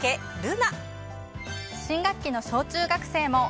新学期の小・中学生も。